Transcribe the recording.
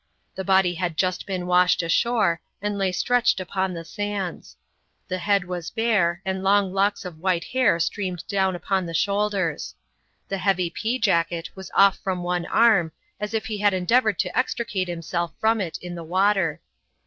The body had just been washed ashore, and lay stretched upon the sands. The head was bare, and long locks of white hair streamed down upon the shoulders. The heavy pea jacket was off from one arm, as if he had endeavored to extricate himself from it in the water.